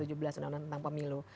undang undang tentang pemilu